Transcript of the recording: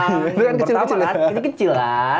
itu kan kecil kecilan